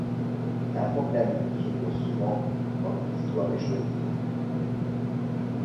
Un problème se pose souvent quand une histoire est choisie.